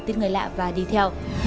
tin người lạ và đi theo